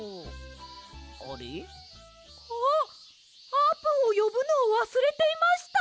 あーぷんをよぶのをわすれていました！